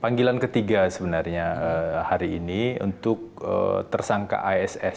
panggilan ketiga sebenarnya hari ini untuk tersangka ass